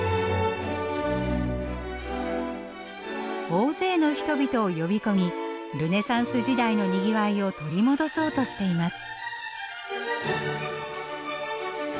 大勢の人々を呼び込みルネサンス時代のにぎわいを取り戻そうとしています。